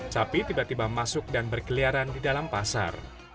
sapi tiba tiba masuk dan berkeliaran di dalam pasar